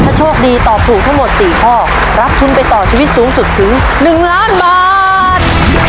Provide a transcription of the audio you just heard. ถ้าโชคดีตอบถูกทั้งหมด๔ข้อรับทุนไปต่อชีวิตสูงสุดถึง๑ล้านบาท